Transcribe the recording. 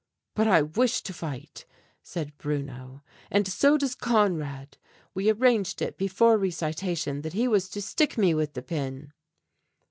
"But I wish to fight," said Bruno, "and so does Conrad. We arranged it before recitation that he was to stick me with the pin."